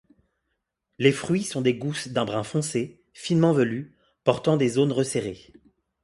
Les fruits sont des gousses d'un brun foncé, finement velues, portant des zones resserrées.